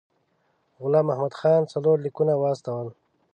غلام محمد خان څلور لیکونه واستول.